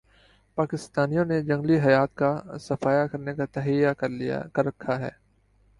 پاکستانیوں نے جنگلی حیات کا صفایا کرنے کا تہیہ کر رکھا ہے